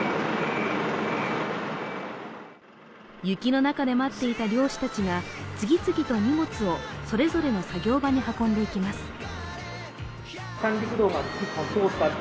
雪の中で待っていた漁師たちが次々と荷物をそれぞれの作業場に運んでいきます。